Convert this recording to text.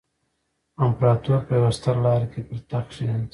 امپراتور په یوه ستر تالار کې پر تخت کېناسته.